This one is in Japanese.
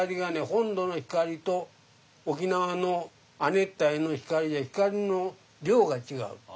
本土の光と沖縄の亜熱帯の光で光の量が違う。